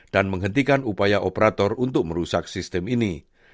dan menghentikan upaya operator untuk merusak sistem ini